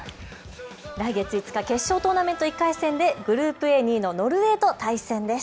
来月５日、決勝トーナメント１回戦でグループＡのノルウェーと対戦です。